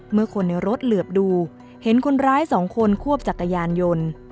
เมื่อคนในรถเหลือบดูเห็นคนร้ายสองคนควบจักรยานยนต์